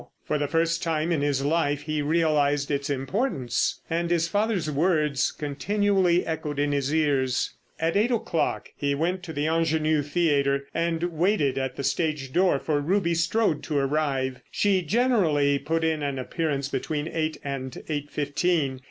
For the first time in his life he realised its importance. And his father's words continually echoed in his ears. At eight o'clock he went to the Ingenue Theatre and waited at the stage door for Ruby Strode to arrive. She generally put in an appearance between eight and eight fifteen.